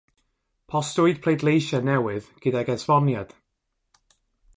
Postiwyd pleidleisiau newydd gydag esboniad.